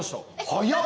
早っ！